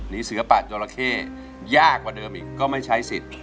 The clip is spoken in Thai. เสือปะจราเข้ยากกว่าเดิมอีกก็ไม่ใช้สิทธิ์